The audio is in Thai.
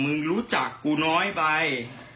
มึงรู้จักกูน้อยไป